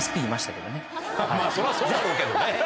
まぁそらそうだろうけどね。